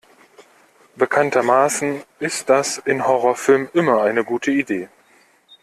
Bekanntermaßen ist das in Horrorfilmen immer eine gute Idee.